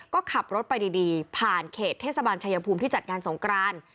ก็ขับรถไปดีผ่านเขตเทศบาลชายภูมิที่จัดงานสงกราน